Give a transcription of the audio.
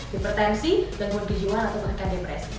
dipertensi dan pun dijual atau bahkan depresi